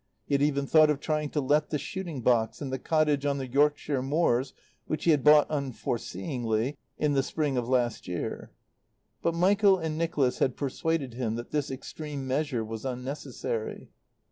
He had even thought of trying to let the shooting box and the cottage on the Yorkshire moors which he had bought, unforeseeingly, in the spring of last year; but Michael and Nicholas had persuaded him that this extreme measure was unnecessary.